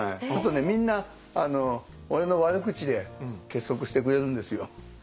するとねみんな俺の悪口で結束してくれるんですよ。